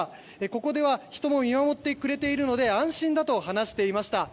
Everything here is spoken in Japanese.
ここでは人も見守ってくれているので安心だと話していました。